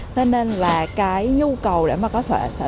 thế nên là cái nhu cầu để mà có thể